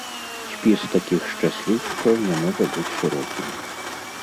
Спіс такіх шчасліўчыкаў не можа быць шырокім.